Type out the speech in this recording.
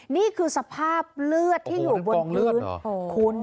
นี่คือสภาพเลือดที่อยู่บนพื้นคุณ